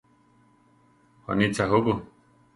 Juanitza juku?